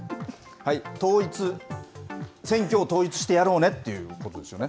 統一、選挙を統一してやろうねってことですよね。